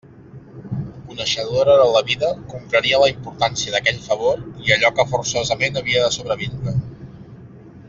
Coneixedora de la vida, comprenia la importància d'aquell favor i allò que forçosament havia de sobrevindre.